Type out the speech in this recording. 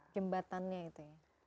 jembatannya itu ya